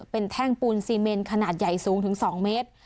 เป็นแท่งปูนซีเมนขนาดใหญ่สูงถึง๒เมตร